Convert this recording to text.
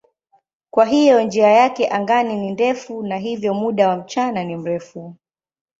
Kwa hiyo njia yake angani ni ndefu na hivyo muda wa mchana ni mrefu.